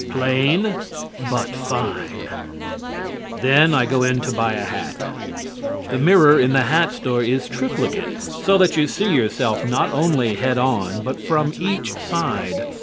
Plain, but fine." Then I go in to buy a hat. The mirror in the hat store is triplicate, so that you see yourself not only head on but from each side.